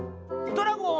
「ドラゴン？